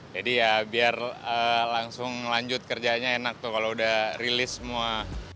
jadi ya biar langsung lanjut kerjanya enak tuh kalau udah rilis semua